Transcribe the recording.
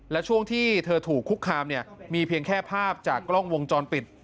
และช่วงที่เธอถูกคุกคามเนี่ยมีเพียงแค่ภาพจากกล้องวงจรปิด